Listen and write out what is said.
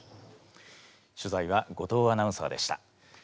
取材は後藤アナウンサーでした。